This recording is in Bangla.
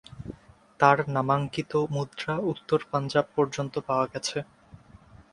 তার নামাঙ্কিত মুদ্রা উত্তর পাঞ্জাব পর্যন্ত পাওয়া গেছে।